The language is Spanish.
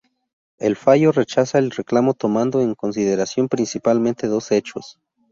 El fallo rechaza el reclamo tomando en consideración principalmente dos hechos.